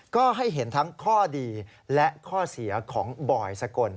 ก็ให้เห็นทั้งข้อดีและข้อเสียของบอยสกล